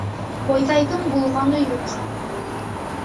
Бойҙайҙың булғаны юҡ.